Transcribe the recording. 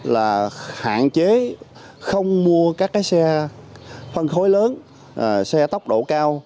là hạn chế không mua các cái xe phân khối lớn xe tốc độ cao